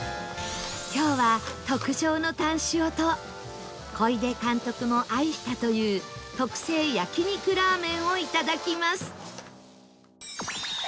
今日は特上のタン塩と小出監督も愛したという特製焼肉ラーメンをいただきます